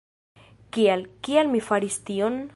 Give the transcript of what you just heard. Kial, kial mi faris tion?